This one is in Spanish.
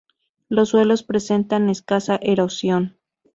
Los suelos presentan escasa erosión.